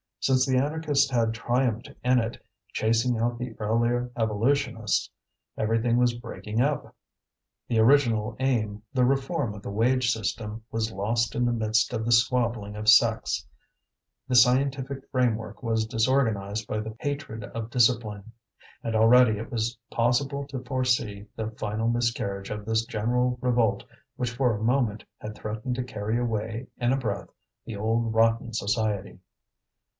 Since the anarchists had triumphed in it, chasing out the earlier evolutionists, everything was breaking up; the original aim, the reform of the wage system, was lost in the midst of the squabbling of sects; the scientific framework was disorganized by the hatred of discipline. And already it was possible to foresee the final miscarriage of this general revolt which for a moment had threatened to carry away in a breath the old rotten society.